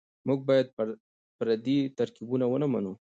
موږ بايد پردي ترکيبونه ونه منو.